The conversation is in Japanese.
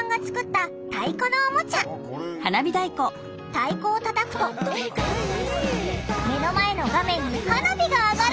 太鼓をたたくと目の前の画面に花火が上がる！